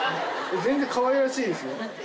全然かわいらしいですね。